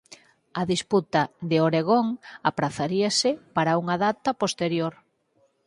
A disputa de Oregón aprazaríase para unha data posterior.